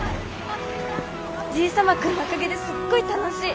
じいさま君のおかげですっごい楽しい！